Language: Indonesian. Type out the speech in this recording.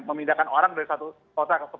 memindahkan orang dari satu kota ke sebuah kota